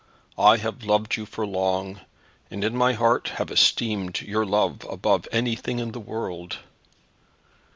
I have loved you for long, and in my heart have esteemed your love above anything in the world.